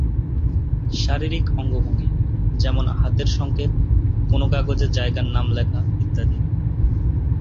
শারীরিক অঙ্গভঙ্গি, যেমন, হাতের সংকেত, কোন কাগজে জায়গার নাম লেখা ইত্যাদি।